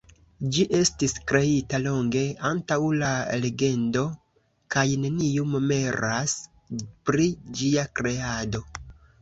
Ĝi estis kreita longe antaŭ la legendo kaj neniu memoras pri ĝia kreado.